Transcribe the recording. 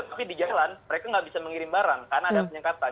tapi di jalan mereka nggak bisa mengirim barang karena ada penyekatan